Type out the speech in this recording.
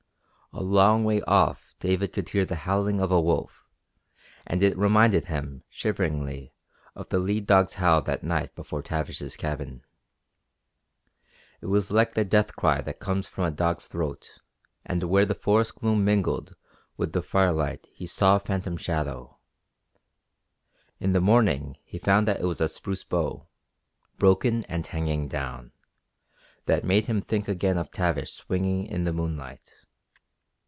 A long way off David could hear the howling of a wolf and it reminded him shiveringly of the lead dog's howl that night before Tavish's cabin. It was like the death cry that comes from a dog's throat; and where the forest gloom mingled with the firelight he saw a phantom shadow in the morning he found that it was a spruce bough, broken and hanging down that made him think again of Tavish swinging in the moonlight.